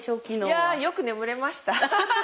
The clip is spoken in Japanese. いやよく眠れました！